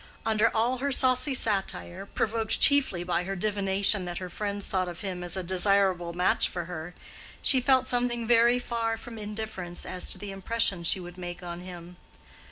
Under all her saucy satire, provoked chiefly by her divination that her friends thought of him as a desirable match for her, she felt something very far from indifference as to the impression she would make on him.